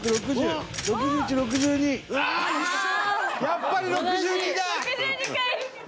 やっぱり６２だ！